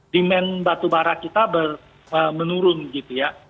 demand batu bara kita menurun gitu ya